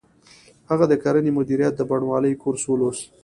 هغه د کرنې مدیریت د بڼوالۍ کورس ولوست